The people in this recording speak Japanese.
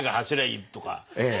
ええ。